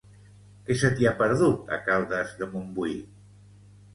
Què se t'hi ha perdut, a Caldes de Montbui?